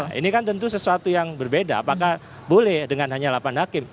nah ini kan tentu sesuatu yang berbeda apakah boleh dengan hanya delapan hakim